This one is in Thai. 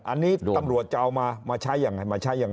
อันนี้ตำรวจจะเอามาใช้อย่างไร